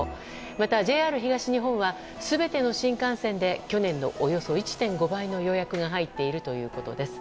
また、ＪＲ東日本は全ての新幹線で去年のおよそ１．５倍の予約が入っているということです。